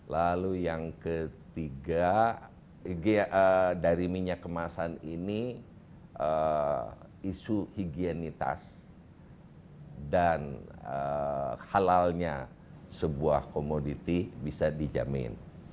lalu yang ketiga dari minyak kemasan ini isu higienitas dan halalnya sebuah komoditi bisa dijamin